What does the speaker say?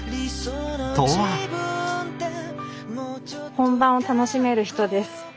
本番を楽しめる人です。